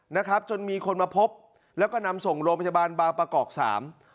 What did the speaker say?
นะครับจนมีคนมาพบแล้วก็นำส่งโรงพยาบาลบางประกอบสาม